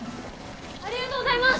ありがとうございます！